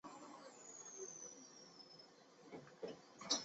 博泽蒙。